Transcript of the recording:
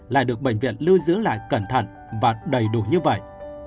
lại được bệnh viện lưu giữ lại cẩn thận và đầy đủ như vậy